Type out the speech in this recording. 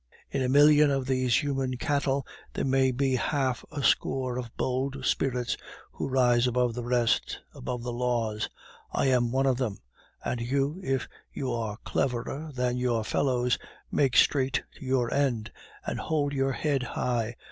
In a million of these human cattle there may be half a score of bold spirits who rise above the rest, above the laws; I am one of them. And you, if you are cleverer than your fellows, make straight to your end, and hold your head high.